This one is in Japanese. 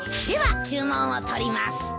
では注文を取ります。